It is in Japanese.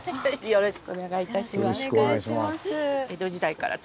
よろしくお願いします。